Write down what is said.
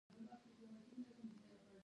انسان ځانګړی هورموني او جنټیکي جوړښت لري.